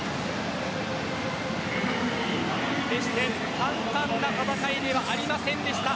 決して簡単な戦いではありませんでした。